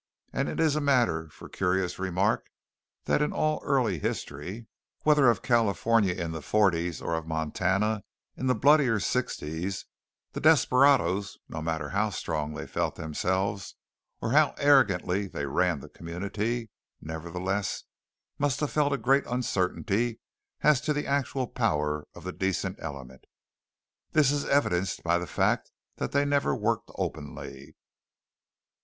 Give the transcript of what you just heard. And it is a matter for curious remark that in all early history, whether of California in the forties, or of Montana in the bloodier sixties, the desperadoes, no matter how strong they felt themselves or how arrogantly they ran the community, nevertheless must have felt a great uncertainty as to the actual power of the decent element. This is evidenced by the fact that they never worked openly.